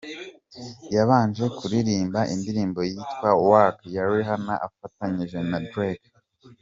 Yabanje kuririmba indirimbo yitwa ‘Work ya Rihanna afatanyije na Drake’.